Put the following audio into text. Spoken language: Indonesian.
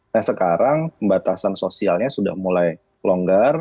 nah sekarang pembatasan sosialnya sudah mulai longgar